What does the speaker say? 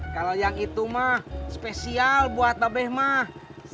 kalau yang itu mah spesial buat mbak beh mah